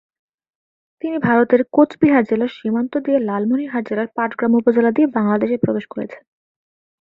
এটি ভারতের কোচবিহার জেলার সীমান্ত দিয়ে লালমনিরহাট জেলার পাটগ্রাম উপজেলা দিয়ে বাংলাদেশে প্রবেশ করেছে।